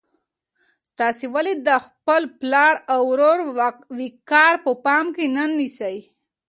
تاسو ولې د خپل پلار او ورور وقار په پام کې نه نیسئ؟